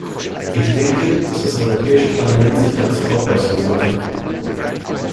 Ich denke, dass das Europäische Parlament sich dazu auch äußern sollte.